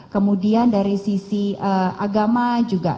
kemudian dari sisi agama juga